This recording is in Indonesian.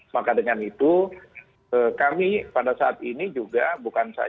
maka dengan itu kami pada saat ini juga bukan saja